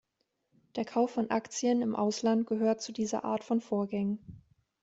Der Kauf von Aktien im Ausland gehört zu dieser Art von Vorgängen.